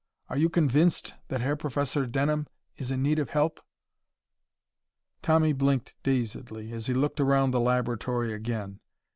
Are you convinced that the Herr Professor Denham is in need of help?" Tommy blinked dazedly as he looked around the laboratory again.